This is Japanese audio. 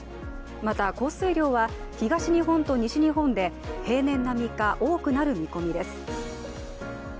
また、降水量は東日本と西日本で平年並みか多くなる見込みです。